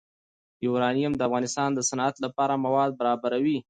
یورانیم د افغانستان د صنعت لپاره مواد برابروي.